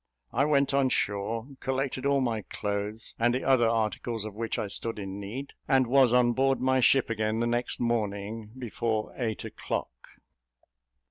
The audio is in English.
I went on shore, collected all my clothes and the other articles of which I stood in need, and was on board my ship again the next morning before eight o'clock.